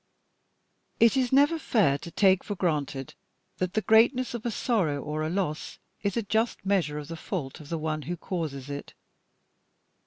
It is never fair to take for granted that the greatness of a sorrow or a loss is a just measure of the fault of the one who causes it.